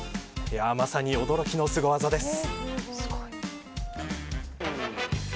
まさに驚きのすご技です。